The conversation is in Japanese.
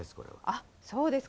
あそうですか。